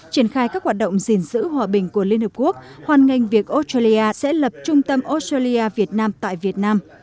triển khai các hoạt động gìn giữ hòa bình của liên hợp quốc hoàn ngành việc australia sẽ lập trung tâm australia việt nam tại việt nam